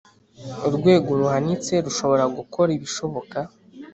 urwego ruhanitse rushobora gukora ibishoboka.